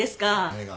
何が。